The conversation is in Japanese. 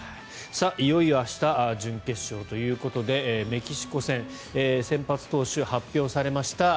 いよいよ明日準決勝ということでメキシコ戦先発投手、発表されました